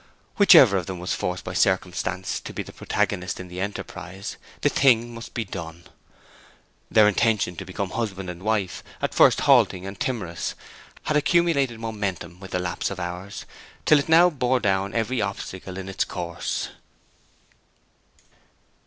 Whichever of them was forced by circumstances to be the protagonist in the enterprise, the thing must be done. Their intention to become husband and wife, at first halting and timorous, had accumulated momentum with the lapse of hours, till it now bore down every obstacle in its course.